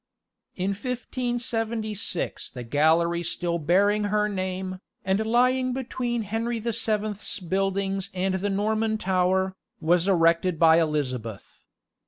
In 1576 the gallery still bearing her name, and lying between Henry the Seventh's buildings and the Norman Tower, was erected by Elizabeth.